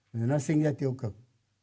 rồi nó sinh ra tiêu cực